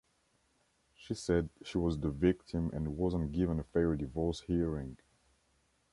She said she was the victim and wasn't given a fair divorce hearing.